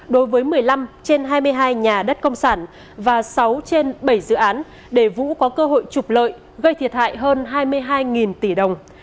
đối với một mươi năm trên hai mươi hai nhà đất công sản và sáu trên bảy dự án để vũ có cơ hội trục lợi gây thiệt hại hơn hai mươi hai tỷ đồng